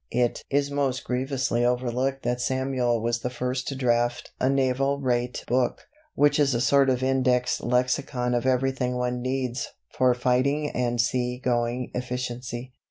It is most grievously overlooked that Samuel was the first to draft a naval Rate Book, which is a sort of indexed lexicon of everything one needs 'for fighting and sea going efficiency.'